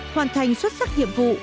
hoàn thành xuất sắc nhiệm vụ